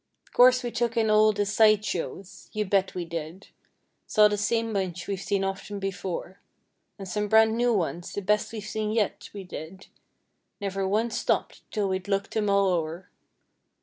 'Course we took in all the "side shows"—^you bet we did. Saw the same bunch we've seen often before. And some brand new ones, the best we've seen yet, we did. Never once stopped till we'd looked them all o'er.